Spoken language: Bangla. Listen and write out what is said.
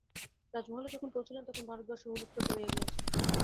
রাজমহলে যখন পৌঁছিলেন, তখন ভারতবর্ষে হুলস্থূল পড়িয়া গিয়াছে।